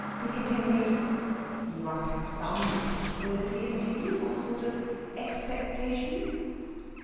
He continues: "You must have some possibility in view, some sort of expectation."